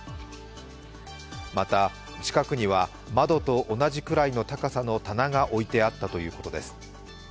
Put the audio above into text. また、近くには窓と同じくらいの高さの棚が置いてあったということです。